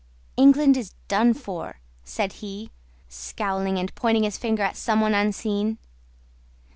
"England is done for," said he, scowling and pointing his finger at someone unseen.